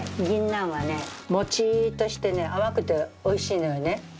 ぎんなんはねモチッとしてね甘くておいしいのよね。